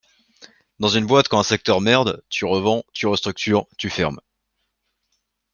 Dans une boîte quand un secteur merde, tu revends, tu restructures, tu fermes.